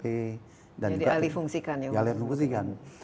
jadi alih fungsikan ya